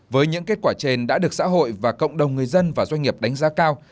với những kết quả trên đã được xã hội và cộng đồng người dân và doanh nghiệp đánh giá cao